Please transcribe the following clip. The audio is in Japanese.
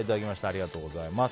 ありがとうございます。